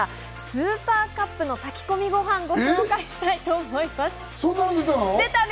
スーパーカップの炊き込みご飯をご紹介したいと思いそんなもの出たの？